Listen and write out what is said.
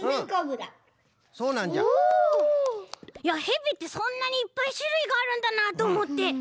いやヘビってそんなにいっぱいしゅるいがあるんだなあとおもって。